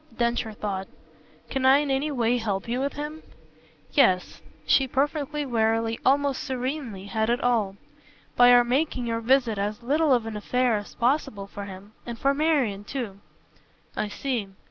Densher thought. "Can I in any way help you with him?" "Yes." She perfectly, wearily, almost serenely, had it all. "By our making your visit as little of an affair as possible for him and for Marian too." "I see.